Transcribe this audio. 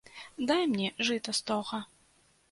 Дай мне жыта стога.